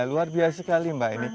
luar biasa sekali mbak